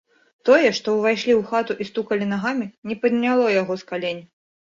Тое, што ўвайшлі ў хату і стукалі нагамі, не падняло яго з калень.